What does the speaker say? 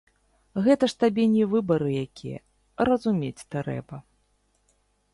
Гэта ж табе не выбары якія, разумець трэба.